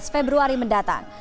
lima belas februari mendatang